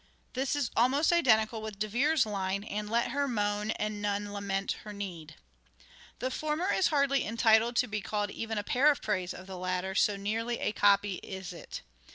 This is almost identical with De Vere's line : "And let her moan and none lament her need." The former is hardly entitled to be called even a paraphrase of the latter, so nearly a copy is it.